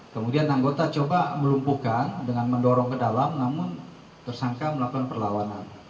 kemudian anggota coba melumpuhkan dengan mendorong ke dalam namun tersangka melakukan perlawanan